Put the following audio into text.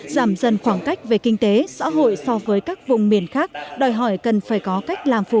giảm dần khoảng cách về kinh tế xã hội so với các vùng miền khác đòi hỏi cần phải có cách làm phù hợp